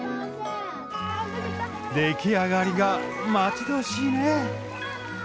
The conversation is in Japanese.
出来上がりが待ち遠しいね。